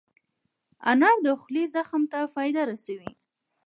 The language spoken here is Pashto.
انار د خولې زخم ته فایده رسوي.